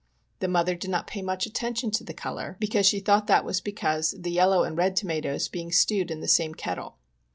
The mother did not pay much attention to the color, because she thought that was because the yellow and red tomatoes being stewed in the same kettle.